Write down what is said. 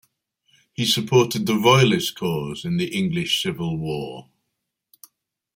He supported the Royalist cause in the English Civil War.